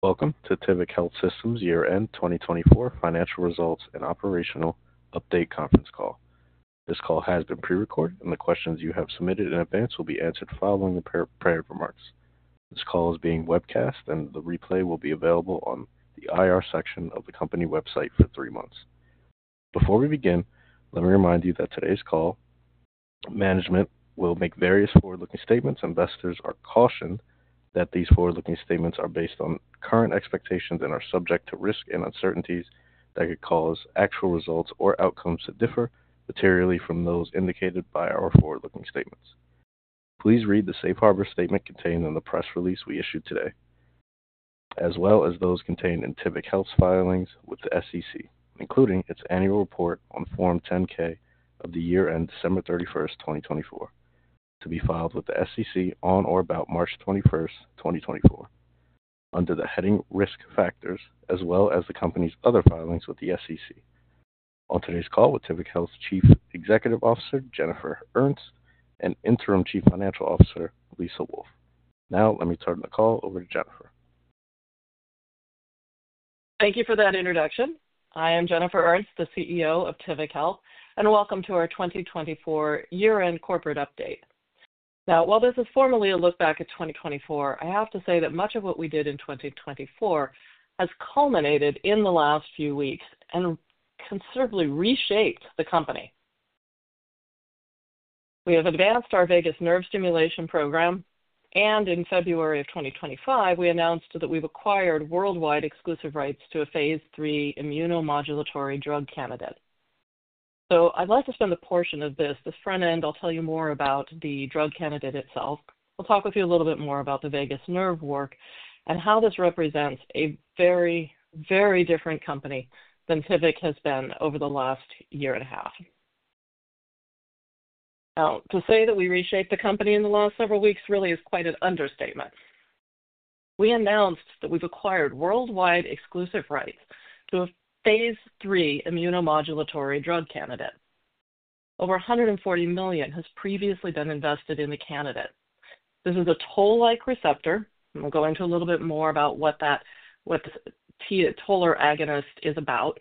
Welcome to Tivic Health Systems Year End 2024 Financial Results and Operational Update Conference Call. This call has been pre-recorded, and the questions you have submitted in advance will be answered following the prior remarks. This call is being webcast, and the replay will be available on the IR section of the company website for three months. Before we begin, let me remind you that today's call management will make various forward-looking statements. Investors are cautioned that these forward-looking statements are based on current expectations and are subject to risks and uncertainties that could cause actual results or outcomes that differ materially from those indicated by our forward-looking statements. Please read the Safe Harbor statement contained in the press release we issued today, as well as those contained in Tivic Health's filings with the SEC, including its annual report on Form 10-K for the year end December 31, 2024, to be filed with the SEC on or about March 21, 2024, under the heading Risk Factors, as well as the company's other filings with the SEC. On today's call with Tivic Health's Chief Executive Officer, Jennifer Ernst, and Interim Chief Financial Officer, Lisa Wolf. Now, let me turn the call over to Jennifer. Thank you for that introduction. I am Jennifer Ernst, the CEO of Tivic Health, and welcome to our 2024 Year End Corporate Update. Now, while this is formally a look back at 2024, I have to say that much of what we did in 2024 has culminated in the last few weeks and considerably reshaped the company. We have advanced our vagus nerve stimulation program, and in February of 2025, we announced that we've acquired worldwide exclusive rights to a Phase III immunomodulatory drug candidate. I would like to spend a portion of this, this front end, I'll tell you more about the drug candidate itself. I'll talk with you a little bit more about the vagus nerve work and how this represents a very, very different company than Tivic has been over the last year and a half. Now, to say that we reshaped the company in the last several weeks really is quite an understatement. We announced that we've acquired worldwide exclusive rights to a Phase III immunomodulatory drug candidate. Over $140 million has previously been invested in the candidate. This is a Toll-like receptor, and we'll go into a little bit more about what that TLR agonist is about.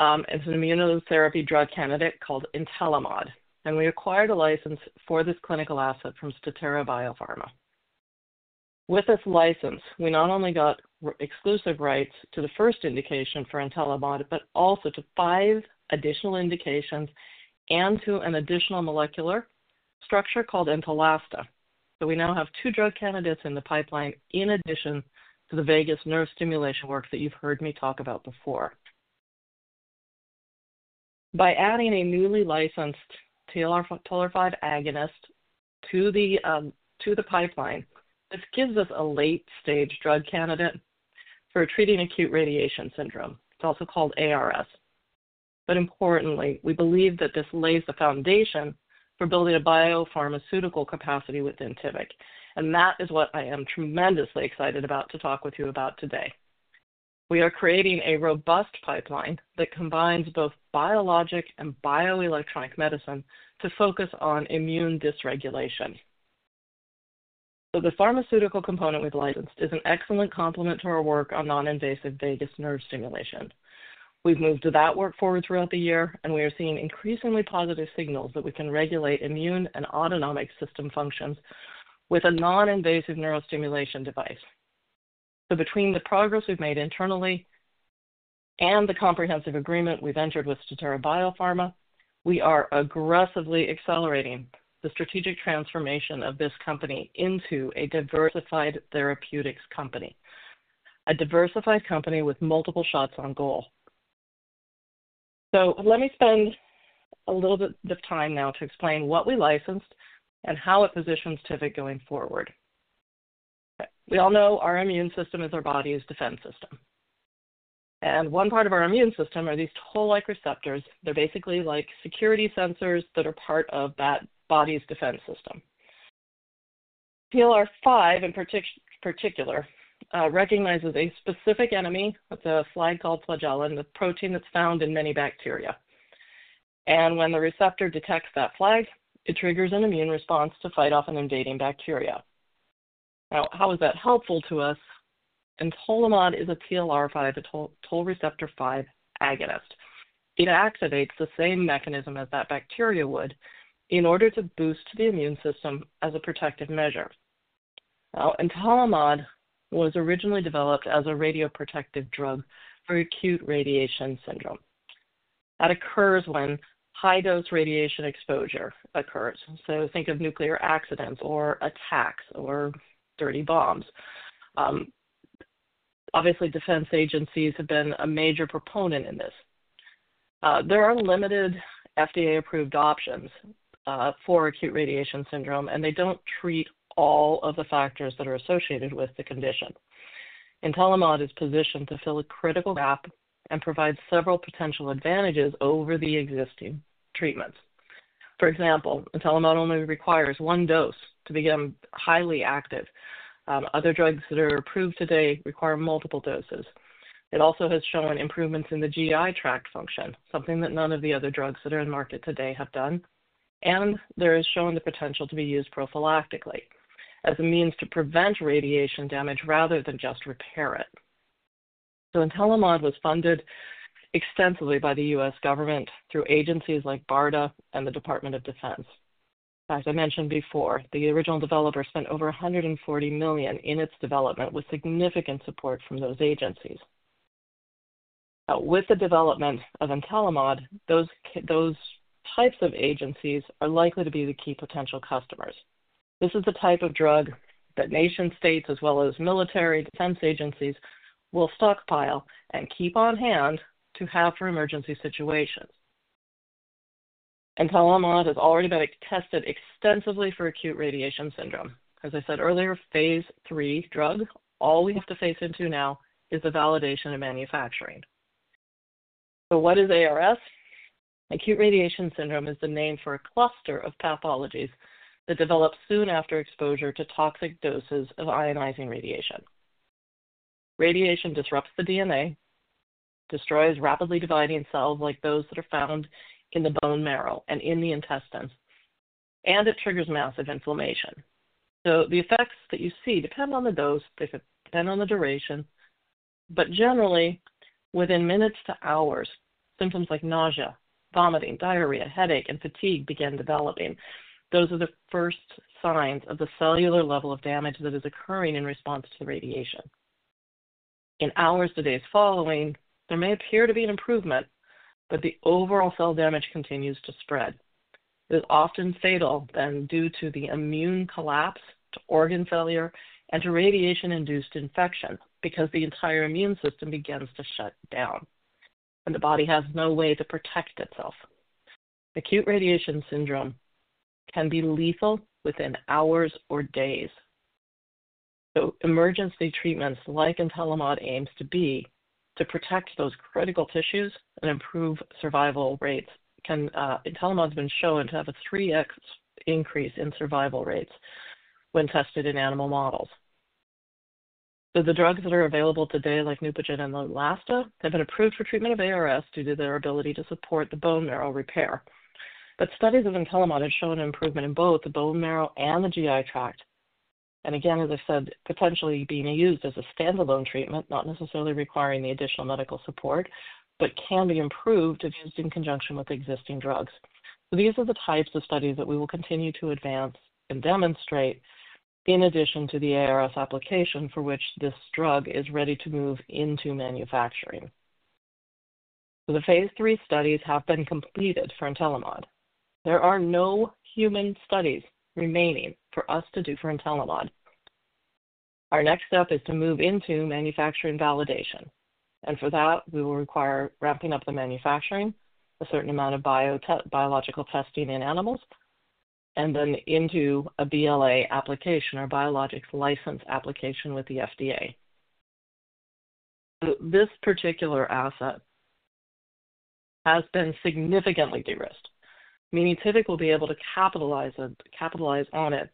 It's an immunotherapy drug candidate called Entolimod, and we acquired a license for this clinical asset from Statera Biopharma. With this license, we not only got exclusive rights to the first indication for Entolimod, but also to five additional indications and to an additional molecular structure called Entalasta. We now have two drug candidates in the pipeline in addition to the vagus nerve stimulation work that you've heard me talk about before. By adding a newly licensed Toll-like receptor 5 agonist to the pipeline, this gives us a late-stage drug candidate for treating acute radiation syndrome. It's also called ARS. Importantly, we believe that this lays the foundation for building a biopharmaceutical capacity within Tivic, and that is what I am tremendously excited about to talk with you about today. We are creating a robust pipeline that combines both biologic and bioelectronic medicine to focus on immune dysregulation. The pharmaceutical component we've licensed is an excellent complement to our work on non-invasive vagus nerve stimulation. We've moved that work forward throughout the year, and we are seeing increasingly positive signals that we can regulate immune and autonomic system functions with a non-invasive neurostimulation device. Between the progress we've made internally and the comprehensive agreement we've entered with Statera Biopharma, we are aggressively accelerating the strategic transformation of this company into a diversified therapeutics company, a diversified company with multiple shots on goal. Let me spend a little bit of time now to explain what we licensed and how it positions Tivic going forward. We all know our immune system is our body's defense system. One part of our immune system are these Toll-like receptors. They're basically like security sensors that are part of that body's defense system. TLR5, in particular, recognizes a specific enemy with a flag called flagellin, the protein that's found in many bacteria. When the receptor detects that flag, it triggers an immune response to fight off an invading bacteria. Now, how is that helpful to us? Entolimod is a TLR5, a Toll-like receptor 5 agonist. It activates the same mechanism as that bacteria would in order to boost the immune system as a protective measure. Now, Entolimod was originally developed as a radioprotective drug for acute radiation syndrome. That occurs when high-dose radiation exposure occurs. Think of nuclear accidents or attacks or dirty bombs. Obviously, defense agencies have been a major proponent in this. There are limited FDA-approved options for acute radiation syndrome, and they don't treat all of the factors that are associated with the condition. Entolimod is positioned to fill a critical gap and provide several potential advantages over the existing treatments. For example, Entolimod only requires one dose to become highly active. Other drugs that are approved today require multiple doses. It also has shown improvements in the GI tract function, something that none of the other drugs that are in the market today have done. There is shown the potential to be used prophylactically as a means to prevent radiation damage rather than just repair it. Entolimod was funded extensively by the U.S. government through agencies like BARDA and the Department of Defense. As I mentioned before, the original developer spent over $140 million in its development with significant support from those agencies. Now, with the development of Entolimod, those types of agencies are likely to be the key potential customers. This is the type of drug that nation states, as well as military defense agencies, will stockpile and keep on hand to have for emergency situations. Entolimod has already been tested extensively for acute radiation syndrome. As I said earlier, Phase III drug, all we have to face into now is the validation of manufacturing. What is ARS? Acute radiation syndrome is the name for a cluster of pathologies that develop soon after exposure to toxic doses of ionizing radiation. Radiation disrupts the DNA, destroys rapidly dividing cells like those that are found in the bone marrow and in the intestines, and it triggers massive inflammation. The effects that you see depend on the dose, depend on the duration, but generally, within minutes to hours, symptoms like nausea, vomiting, diarrhea, headache, and fatigue begin developing. Those are the first signs of the cellular level of damage that is occurring in response to radiation. In hours to days following, there may appear to be an improvement, but the overall cell damage continues to spread. It is often fatal then due to the immune collapse, to organ failure, and to radiation-induced infection because the entire immune system begins to shut down, and the body has no way to protect itself. Acute radiation syndrome can be lethal within hours or days. Emergency treatments like Entolimod aim to be to protect those critical tissues and improve survival rates. Entolimod has been shown to have a 3x increase in survival rates when tested in animal models. The drugs that are available today, like Neupogen and Neulasta, have been approved for treatment of ARS due to their ability to support the bone marrow repair. Studies of Entolimod have shown improvement in both the bone marrow and the GI tract. As I said, potentially being used as a standalone treatment, not necessarily requiring the additional medical support, but can be improved if used in conjunction with existing drugs. These are the types of studies that we will continue to advance and demonstrate in addition to the ARS application for which this drug is ready to move into manufacturing. The Phase III studies have been completed for Entolimod. There are no human studies remaining for us to do for Entolimod. Our next step is to move into manufacturing validation. For that, we will require ramping up the manufacturing, a certain amount of biological testing in animals, and then into a BLA application or Biologics License Application with the FDA. This particular asset has been significantly de-risked, meaning Tivic will be able to capitalize on it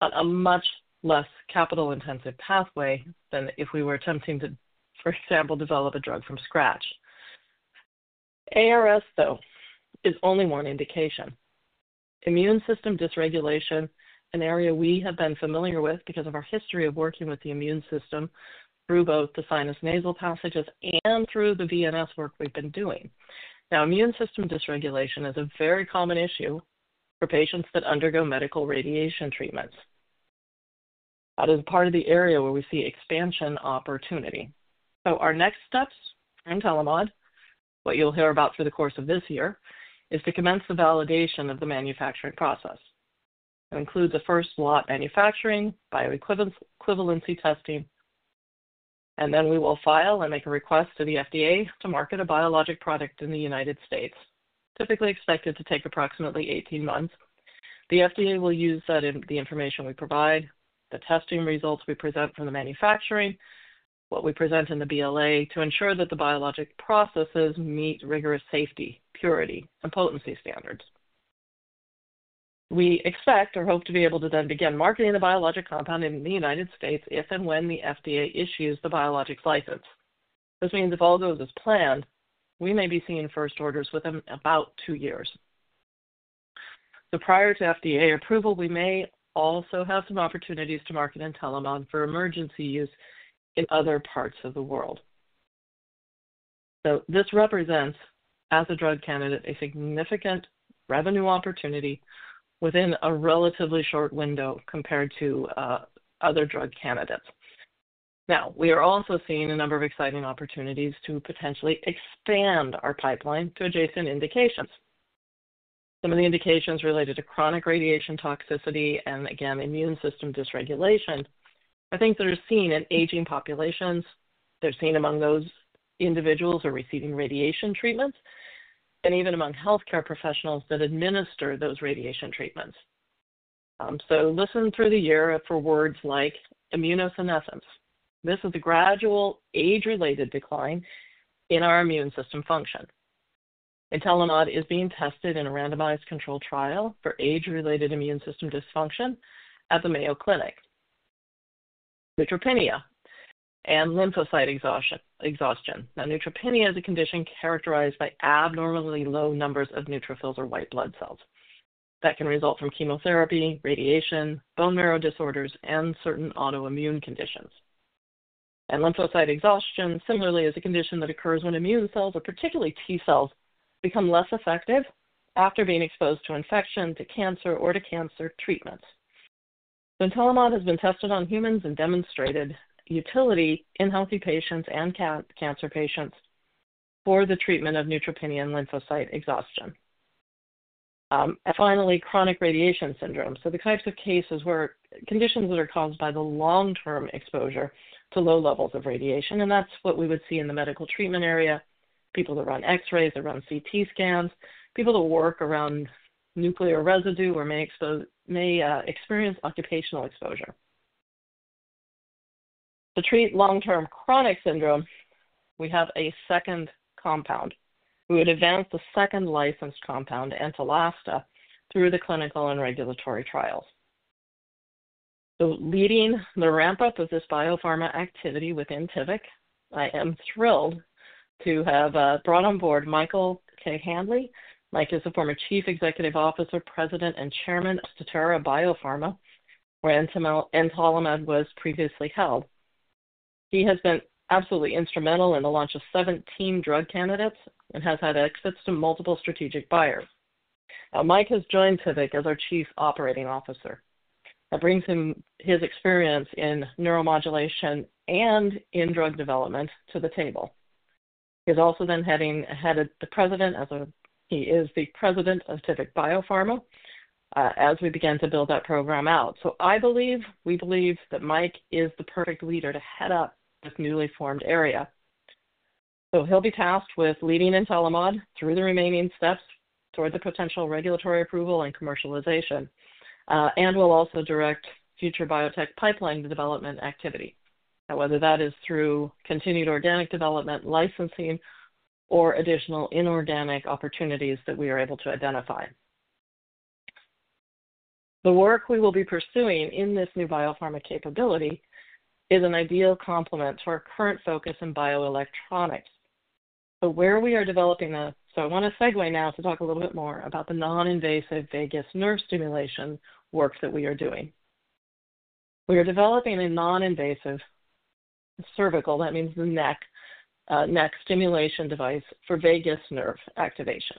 at a much less capital-intensive pathway than if we were attempting to, for example, develop a drug from scratch. ARS, though, is only one indication. Immune system dysregulation, an area we have been familiar with because of our history of working with the immune system through both the sinus nasal passages and through the VNS work we've been doing. Now, immune system dysregulation is a very common issue for patients that undergo medical radiation treatments. That is part of the area where we see expansion opportunity. Our next steps for Entolimod, what you'll hear about through the course of this year, is to commence the validation of the manufacturing process. It includes a first lot manufacturing, bioequivalency testing, and then we will file and make a request to the FDA to market a biologic product in the United States, typically expected to take approximately 18 months. The FDA will use that in the information we provide, the testing results we present from the manufacturing, what we present in the BLA to ensure that the biologic processes meet rigorous safety, purity, and potency standards. We expect or hope to be able to then begin marketing the biologic compound in the United States if and when the FDA issues the biologics license. This means if all goes as planned, we may be seeing first orders within about two years. Prior to FDA approval, we may also have some opportunities to market Entolimod for emergency use in other parts of the world. This represents, as a drug candidate, a significant revenue opportunity within a relatively short window compared to other drug candidates. Now, we are also seeing a number of exciting opportunities to potentially expand our pipeline to adjacent indications. Some of the indications related to chronic radiation toxicity and, again, immune system dysregulation, I think that are seen in aging populations. They are seen among those individuals who are receiving radiation treatments and even among healthcare professionals that administer those radiation treatments. Listen through the year for words like immunosenescence. This is a gradual age-related decline in our immune system function. Entolimod is being tested in a randomized control trial for age-related immune system dysfunction at the Mayo Clinic. Neutropenia and lymphocyte exhaustion. Now, neutropenia is a condition characterized by abnormally low numbers of neutrophils or white blood cells that can result from chemotherapy, radiation, bone marrow disorders, and certain autoimmune conditions. Lymphocyte exhaustion, similarly, is a condition that occurs when immune cells, or particularly T cells, become less effective after being exposed to infection, to cancer, or to cancer treatments. Entolimod has been tested on humans and demonstrated utility in healthy patients and cancer patients for the treatment of neutropenia and lymphocyte exhaustion. Finally, chronic radiation syndrome. The types of cases where conditions that are caused by the long-term exposure to low levels of radiation, and that's what we would see in the medical treatment area, people that run X-rays, that run CT scans, people that work around nuclear residue or may experience occupational exposure. To treat long-term chronic syndrome, we have a second compound. We would advance the second licensed compound, Entalasta, through the clinical and regulatory trials. Leading the ramp-up of this biopharma activity within Tivic, I am thrilled to have brought on board Michael K. Handley. Mike is the former Chief Executive Officer, President, and Chairman of Statera Biopharma, where Entolimod was previously held. He has been absolutely instrumental in the launch of 17 drug candidates and has had exits to multiple strategic buyers. Now, Mike has joined Tivic as our Chief Operating Officer. That brings him his experience in neuromodulation and in drug development to the table. He's also then headed the president as he is the President of Tivic Biopharma as we begin to build that program out. I believe, we believe that Mike is the perfect leader to head up this newly formed area. He'll be tasked with leading Entolimod through the remaining steps toward the potential regulatory approval and commercialization, and will also direct future biotech pipeline development activity. Now, whether that is through continued organic development, licensing, or additional inorganic opportunities that we are able to identify. The work we will be pursuing in this new biopharma capability is an ideal complement to our current focus in bioelectronics. Where we are developing the—so I want to segue now to talk a little bit more about the non-invasive vagus nerve stimulation work that we are doing. We are developing a non-invasive cervical, that means the neck, neck stimulation device for vagus nerve activation.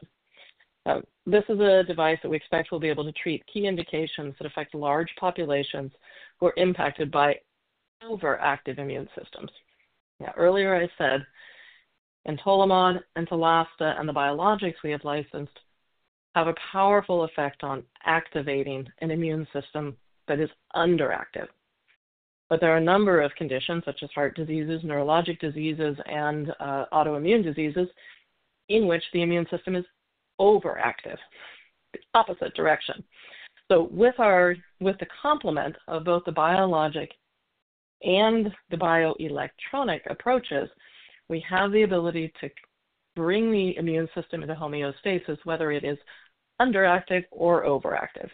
This is a device that we expect will be able to treat key indications that affect large populations who are impacted by overactive immune systems. Earlier I said Entolimod, Entalasta, and the biologics we have licensed have a powerful effect on activating an immune system that is underactive. There are a number of conditions such as heart diseases, neurologic diseases, and autoimmune diseases in which the immune system is overactive, the opposite direction. With the complement of both the biologic and the bioelectronic approaches, we have the ability to bring the immune system into homeostasis, whether it is underactive or overactive.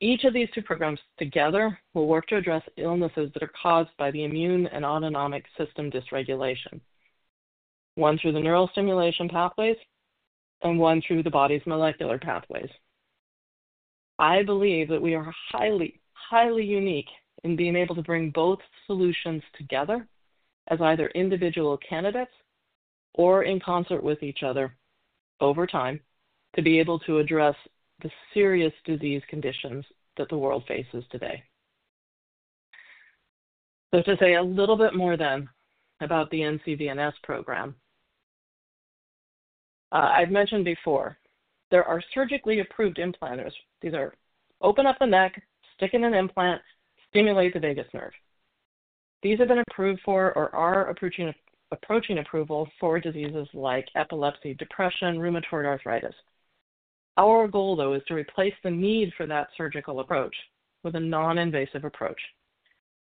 Each of these two programs together will work to address illnesses that are caused by the immune and autonomic system dysregulation, one through the neural stimulation pathways and one through the body's molecular pathways. I believe that we are highly, highly unique in being able to bring both solutions together as either individual candidates or in concert with each other over time to be able to address the serious disease conditions that the world faces today. To say a little bit more then about the ncVNS program, I've mentioned before there are surgically approved implanters. These open up the neck, stick in an implant, stimulate the vagus nerve. These have been approved for or are approaching approval for diseases like epilepsy, depression, rheumatoid arthritis. Our goal, though, is to replace the need for that surgical approach with a non-invasive approach.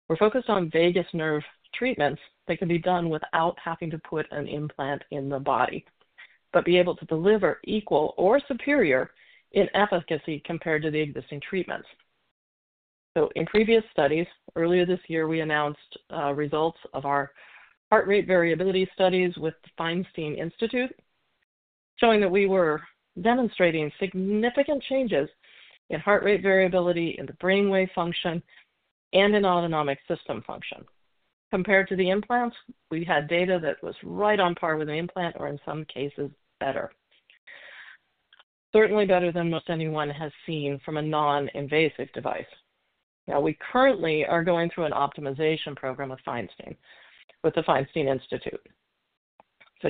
We're focused on vagus nerve treatments that can be done without having to put an implant in the body, but be able to deliver equal or superior in efficacy compared to the existing treatments. In previous studies, earlier this year, we announced results of our heart rate variability studies with the Feinstein Institutes, showing that we were demonstrating significant changes in heart rate variability, in the brainwave function, and in autonomic system function. Compared to the implants, we had data that was right on par with an implant or in some cases better, certainly better than most anyone has seen from a non-invasive device. We currently are going through an optimization program with Feinstein, with the Feinstein Institutes.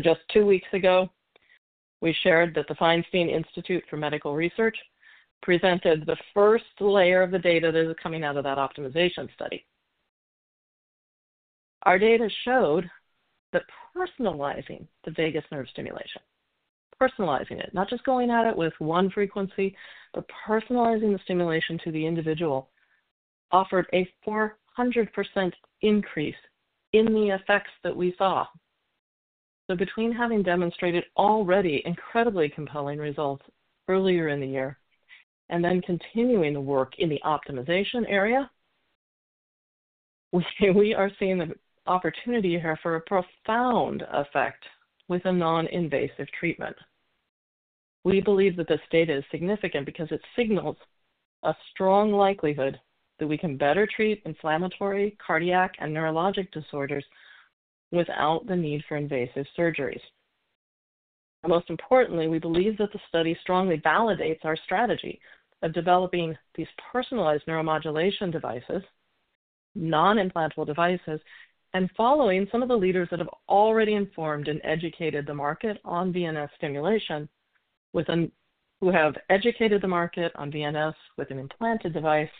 Just two weeks ago, we shared that the Feinstein Institutes for Medical Research presented the first layer of the data that is coming out of that optimization study. Our data showed that personalizing the vagus nerve stimulation, personalizing it, not just going at it with one frequency, but personalizing the stimulation to the individual offered a 400% increase in the effects that we saw. Between having demonstrated already incredibly compelling results earlier in the year and then continuing the work in the optimization area, we are seeing an opportunity here for a profound effect with a non-invasive treatment. We believe that this data is significant because it signals a strong likelihood that we can better treat inflammatory, cardiac, and neurologic disorders without the need for invasive surgeries. Most importantly, we believe that the study strongly validates our strategy of developing these personalized neuromodulation devices, non-implantable devices, and following some of the leaders that have already informed and educated the market on VNS stimulation with an—who have educated the market on VNS with an implanted device.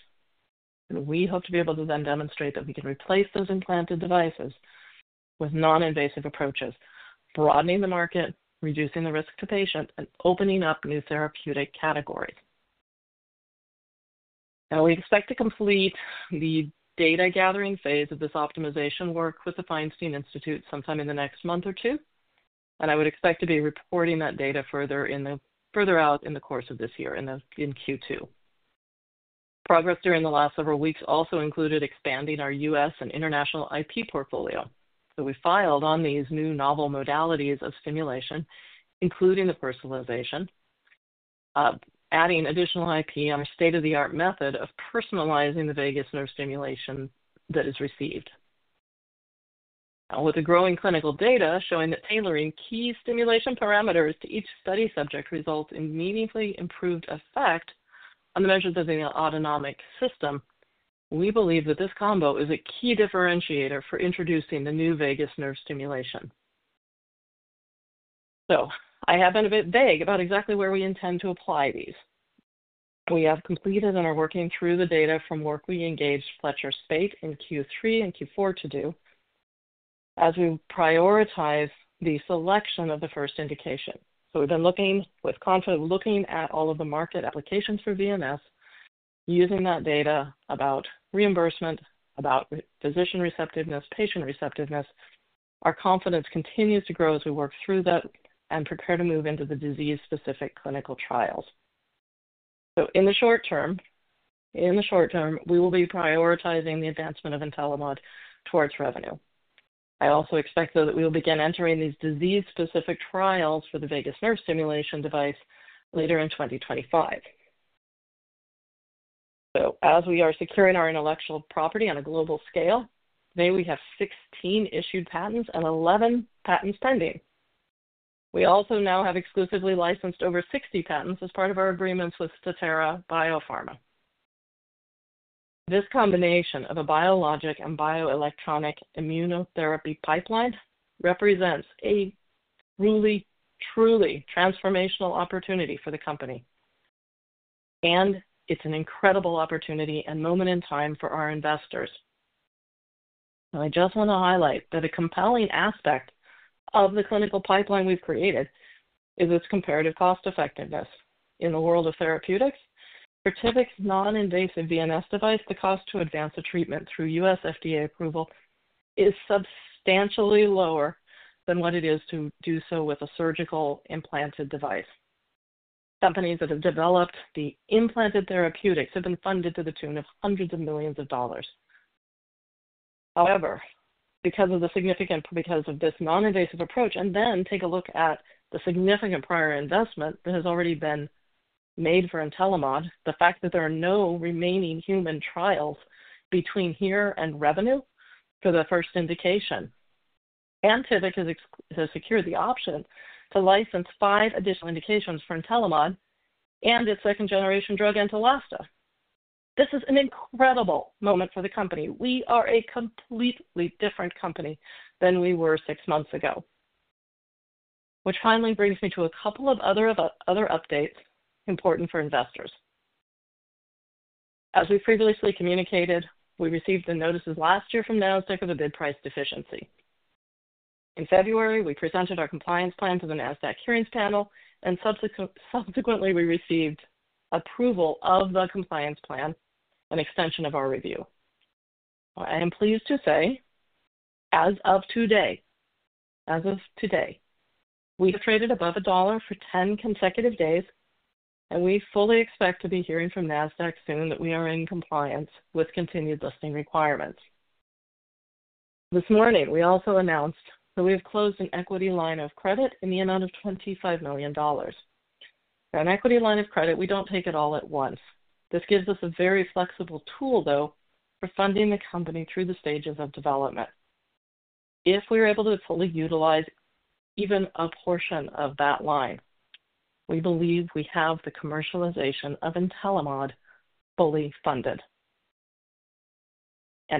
We hope to be able to then demonstrate that we can replace those implanted devices with non-invasive approaches, broadening the market, reducing the risk to patients, and opening up new therapeutic categories. We expect to complete the data gathering phase of this optimization work with the Feinstein Institutes sometime in the next month or two. I would expect to be reporting that data further out in the course of this year in Q2. Progress during the last several weeks also included expanding our US and international IP portfolio. We filed on these new novel modalities of stimulation, including the personalization, adding additional IP on a state-of-the-art method of personalizing the vagus nerve stimulation that is received. Now, with the growing clinical data showing that tailoring key stimulation parameters to each study subject results in meaningfully improved effect on the measures of the autonomic system, we believe that this combo is a key differentiator for introducing the new vagus nerve stimulation. I have been a bit vague about exactly where we intend to apply these. We have completed and are working through the data from work we engaged Fletcher Spaght in Q3 and Q4 to do as we prioritize the selection of the first indication. We have been looking with confidence, looking at all of the market applications for VNS, using that data about reimbursement, about physician receptiveness, patient receptiveness. Our confidence continues to grow as we work through that and prepare to move into the disease-specific clinical trials. In the short term, in the short term, we will be prioritizing the advancement of Entolimod towards revenue. I also expect, though, that we will begin entering these disease-specific trials for the vagus nerve stimulation device later in 2025. As we are securing our intellectual property on a global scale, today we have 16 issued patents and 11 patents pending. We also now have exclusively licensed over 60 patents as part of our agreements with Statera Biopharma. This combination of a biologic and bioelectronic immunotherapy pipeline represents a truly, truly transformational opportunity for the company. It's an incredible opportunity and moment in time for our investors. I just want to highlight that a compelling aspect of the clinical pipeline we've created is its comparative cost-effectiveness. In the world of therapeutics, for Tivic's non-invasive VNS device, the cost to advance a treatment through U.S. FDA approval is substantially lower than what it is to do so with a surgically implanted device. Companies that have developed the implanted therapeutics have been funded to the tune of hundreds of millions of dollars. However, because of this non-invasive approach, and then take a look at the significant prior investment that has already been made for Entolimod, the fact that there are no remaining human trials between here and revenue for the first indication, and Tivic has secured the option to license five additional indications for Entolimod and its second-generation drug, Entalasta. This is an incredible moment for the company. We are a completely different company than we were six months ago. Which finally brings me to a couple of other updates important for investors. As we previously communicated, we received the notices last year from NASDAQ of a bid price deficiency. In February, we presented our compliance plan to the NASDAQ Hearings Panel, and subsequently, we received approval of the compliance plan and extension of our review. I am pleased to say, as of today, we have traded above a dollar for 10 consecutive days, and we fully expect to be hearing from NASDAQ soon that we are in compliance with continued listing requirements. This morning, we also announced that we have closed an equity line of credit in the amount of $25 million. Now, an equity line of credit, we do not take it all at once. This gives us a very flexible tool, though, for funding the company through the stages of development. If we're able to fully utilize even a portion of that line, we believe we have the commercialization of Entolimod fully funded.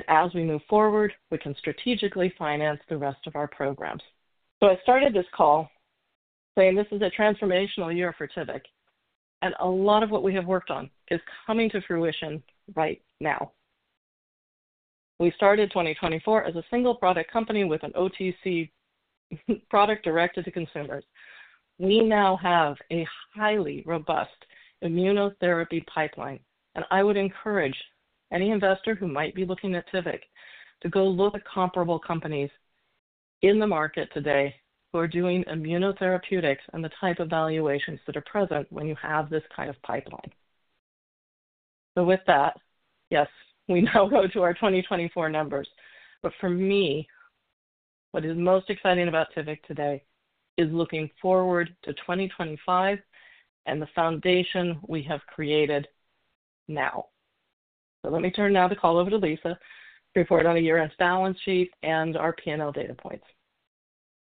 As we move forward, we can strategically finance the rest of our programs. I started this call saying this is a transformational year for Tivic, and a lot of what we have worked on is coming to fruition right now. We started 2024 as a single product company with an OTC product directed to consumers. We now have a highly robust immunotherapy pipeline, and I would encourage any investor who might be looking at Tivic to go look at comparable companies in the market today who are doing immunotherapeutics and the type of valuations that are present when you have this kind of pipeline. With that, yes, we now go to our 2024 numbers. For me, what is most exciting about Tivic today is looking forward to 2025 and the foundation we have created now. Let me turn now the call over to Lisa to report on a year-end balance sheet and our P&L data points.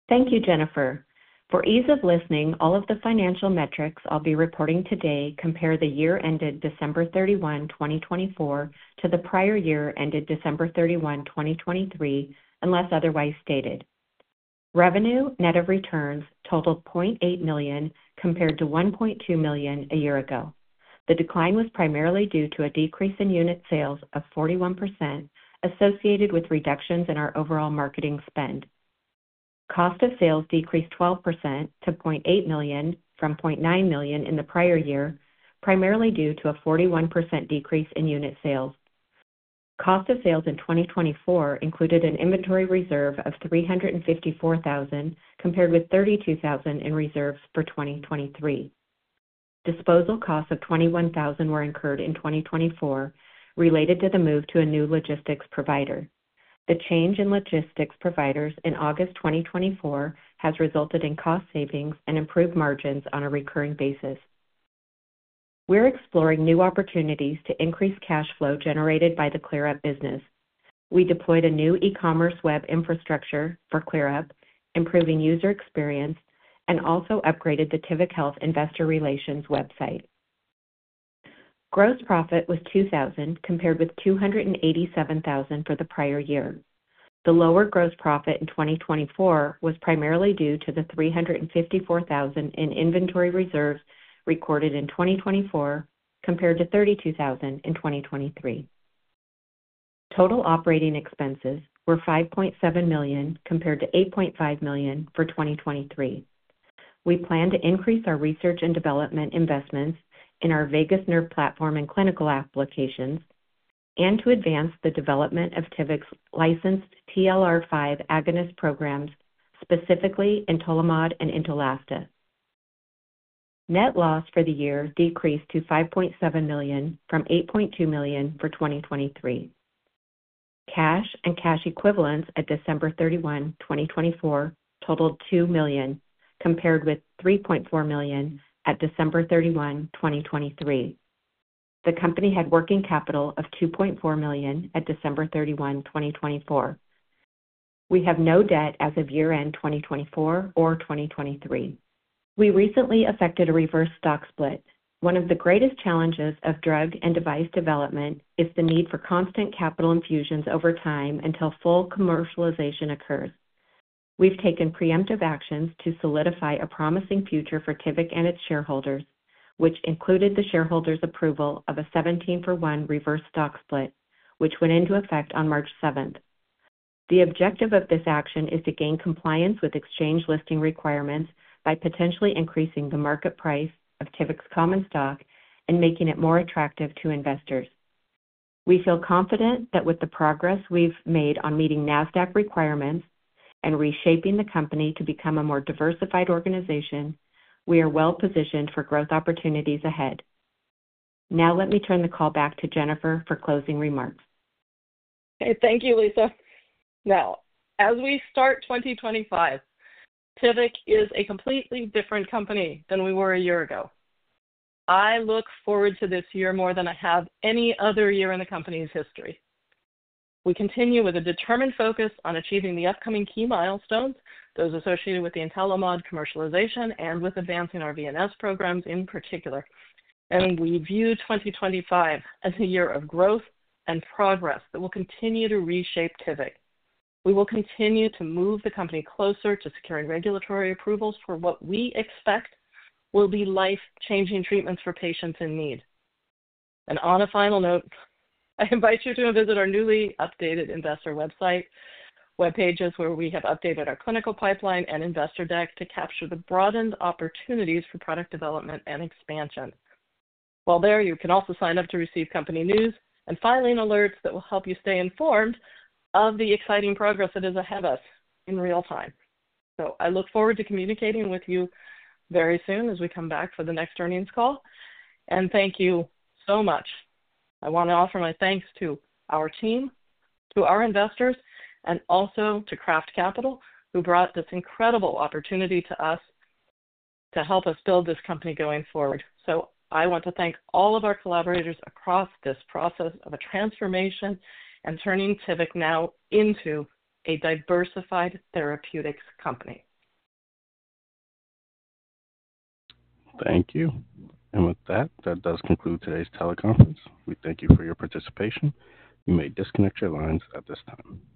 Thank you, Jennifer. For ease of listening, all of the financial metrics I'll be reporting today compare the year ended December 31, 2024, to the prior year ended December 31, 2023, unless otherwise stated. Revenue, net of returns, totaled $0.8 million compared to $1.2 million a year ago. The decline was primarily due to a decrease in unit sales of 41% associated with reductions in our overall marketing spend. Cost of sales decreased 12% to $0.8 million from $0.9 million in the prior year, primarily due to a 41% decrease in unit sales. Cost of sales in 2024 included an inventory reserve of $354,000 compared with $32,000 in reserves for 2023. Disposal costs of $21,000 were incurred in 2024 related to the move to a new logistics provider. The change in logistics providers in August 2024 has resulted in cost savings and improved margins on a recurring basis. We're exploring new opportunities to increase cash flow generated by the ClearUP business. We deployed a new e-commerce web infrastructure for ClearUP, improving user experience, and also upgraded the Tivic Health investor relations website. Gross profit was $2,000 compared with $287,000 for the prior year. The lower gross profit in 2024 was primarily due to the $354,000 in inventory reserves recorded in 2024 compared to $32,000 in 2023. Total operating expenses were $5.7 million compared to $8.5 million for 2023. We plan to increase our research and development investments in our vagus nerve platform and clinical applications and to advance the development of Tivic's licensed TLR5 agonist programs, specifically Entolimod and Entalasta. Net loss for the year decreased to $5.7 million from $8.2 million for 2023. Cash and cash equivalents at December 31, 2024, totaled $2 million compared with $3.4 million at December 31, 2023. The company had working capital of $2.4 million at December 31, 2024. We have no debt as of year-end 2024 or 2023. We recently effected a reverse stock split. One of the greatest challenges of drug and device development is the need for constant capital infusions over time until full commercialization occurs. We've taken preemptive actions to solidify a promising future for Tivic and its shareholders, which included the shareholders' approval of a 17-for-1 reverse stock split, which went into effect on March 7th. The objective of this action is to gain compliance with exchange listing requirements by potentially increasing the market price of Tivic's common stock and making it more attractive to investors. We feel confident that with the progress we've made on meeting NASDAQ requirements and reshaping the company to become a more diversified organization, we are well positioned for growth opportunities ahead. Now, let me turn the call back to Jennifer for closing remarks. Okay, thank you, Lisa. Now, as we start 2025, Tivic is a completely different company than we were a year ago. I look forward to this year more than I have any other year in the company's history. We continue with a determined focus on achieving the upcoming key milestones, those associated with the Entolimod commercialization and with advancing our VNS programs in particular. We view 2025 as a year of growth and progress that will continue to reshape Tivic. We will continue to move the company closer to securing regulatory approvals for what we expect will be life-changing treatments for patients in need. On a final note, I invite you to visit our newly updated investor website, web pages where we have updated our clinical pipeline and investor deck to capture the broadened opportunities for product development and expansion. While there, you can also sign up to receive company news and filing alerts that will help you stay informed of the exciting progress that is ahead of us in real time. I look forward to communicating with you very soon as we come back for the next earnings call. Thank you so much. I want to offer my thanks to our team, to our investors, and also to Craft Capital, who brought this incredible opportunity to us to help us build this company going forward. I want to thank all of our collaborators across this process of a transformation and turning Tivic now into a diversified therapeutics company. Thank you. With that, that does conclude today's teleconference. We thank you for your participation. You may disconnect your lines at this time.